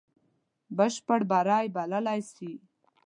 بشپړ بری بللای سي.